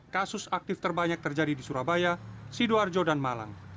kasus aktif terbanyak terjadi di surabaya sidoarjo dan malang